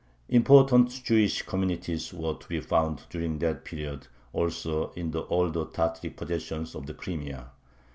Important Jewish communities were to be found during that period also in the older Tataric possessions of the Crimea.